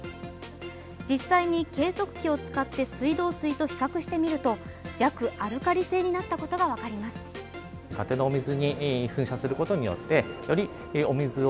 実際に計測器を使って水道水と比較してみると弱アルカリ性になったことが分かります。